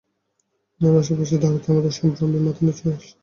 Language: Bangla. ওনার আশেপাশে দাঁড়াতেই আমাদের সম্ভ্রমে মাথা নিচু হয়ে আসছে।